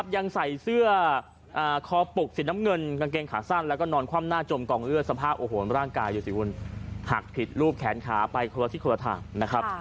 ยังใส่เสื้อคอปุกสีน้ำเงินกางเกงขาสั้นแล้วก็นอนคว่ำหน้าจมกองเลือดสภาพโอ้โหร่างกายดูสิคุณหักผิดรูปแขนขาไปคนละทิศคนละทางนะครับ